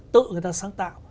tự người ta sáng tạo